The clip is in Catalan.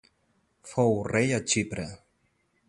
Fou rei a Xipre.